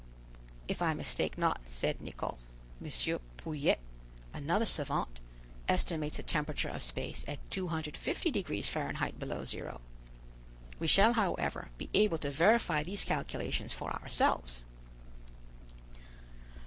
"If I mistake not," said Nicholl, "M. Pouillet, another savant, estimates the temperature of space at 250° Fahrenheit below zero. We shall, however, be able to verify these calculations for ourselves."